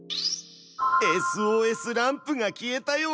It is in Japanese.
ＳＯＳランプが消えたよ！